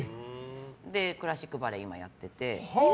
クラシックバレエを今やってて。